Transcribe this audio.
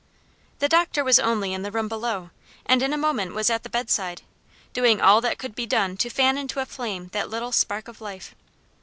The doctor was only in the room below, and in a moment was at the bedside, doing all that could be done to fan into a flame that little spark of life.